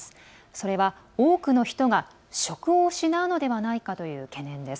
それは、多くの人が職を失うのではないかという懸念です。